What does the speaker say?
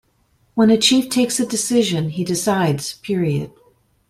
When a chief takes a decision, he decides - period.